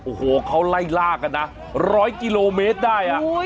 โอ้โหเขาไล่ล่ากันนะ๑๐๐กิโลเมตรได้